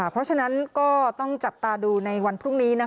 เพราะฉะนั้นก็ต้องจับตาดูในวันพรุ่งนี้